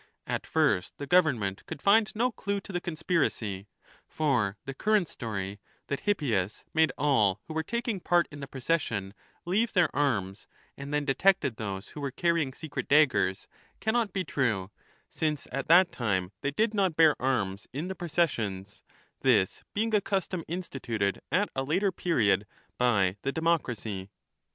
At first the government could find no clue to the conspiracy ; for the current story, 1 that Hippias made all who were taking part in the procession leave their arms, and then detected those who were carrying secret daggers, cannot be true, since at that time they did not bear arms in the processions, this being a custom instituted at a later period by the de mocracy.